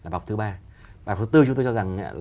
và thứ tư chúng tôi cho rằng